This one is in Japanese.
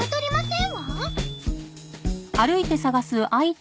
ん？